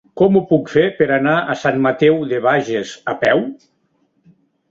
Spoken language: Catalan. Com ho puc fer per anar a Sant Mateu de Bages a peu?